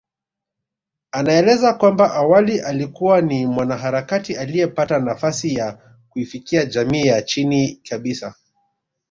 Anaeleza kwamba awali alikuwa ni mwanaharakati aliyepata nafasi ya kuifikia jamii ya chini kabisa